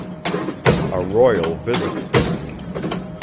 A ROYAL VISITOR.